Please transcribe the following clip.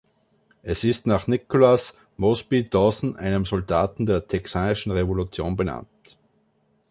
Es ist nach Nicholas Mosby Dawson, einem Soldaten der texanischen Revolution, benannt.